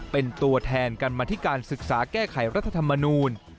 เป็นตัวแทนกรรมธิการศึกษาแก้ไขรัฐธรรมนูล